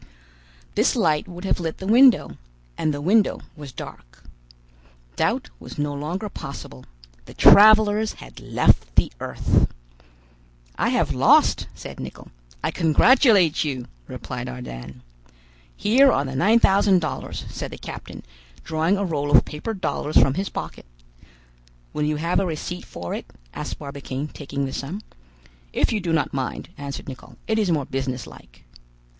This light would have lit the window, and the window was dark. Doubt was no longer possible; the travelers had left the earth. "I have lost," said Nicholl. "I congratulate you," replied Ardan. "Here are the nine thousand dollars," said the captain, drawing a roll of paper dollars from his pocket. "Will you have a receipt for it?" asked Barbicane, taking the sum. "If you do not mind," answered Nicholl; "it is more business like."